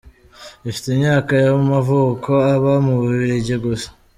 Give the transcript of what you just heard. Afite imyaka y’amavuko, aba mu Bubiligi gusa.